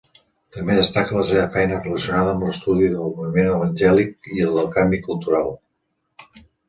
També destaca la seva feina relacionada amb l'estudi del moviment evangèlic i del canvi cultural.